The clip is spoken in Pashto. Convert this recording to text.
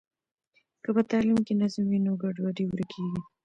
که په تعلیم کې نظم وي نو ګډوډي ورکیږي.